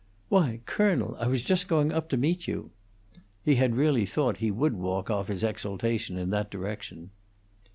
"Why, colonel! I was just going up to meet you." He had really thought he would walk off his exultation in that direction.